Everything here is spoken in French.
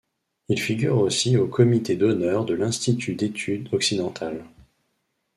Il figure aussi au comité d'honneur de l'Institut d'études occidentales.